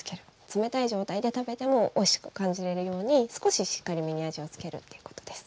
冷たい状態で食べてもおいしく感じれるように少ししっかりめに味を付けるっていうことです。